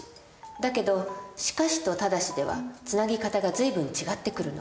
だけど「しかし」と「ただし」ではつなぎ方が随分違ってくるの。